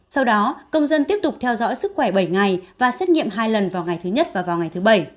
sau đó công dân tiếp tục theo dõi sức khỏe bảy ngày và xét nghiệm hai lần vào ngày thứ nhất và vào ngày thứ bảy